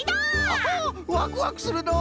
アハワクワクするのう！